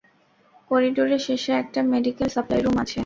করিডোরের শেষে একটা মেডিকেল সাপ্লাই রুম আছে।